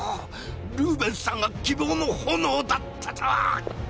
ルーベンスさんが希望の炎だったとは。